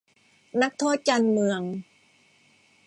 นักโทษการเมือง